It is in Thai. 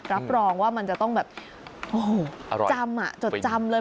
รับรองว่ามันจะต้องแบบโอ้โหจำอ่ะจดจำเลย